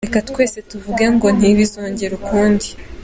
Reka twese tuvuge ngo ntibizongere ukundi.